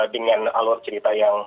dengan alur cerita yang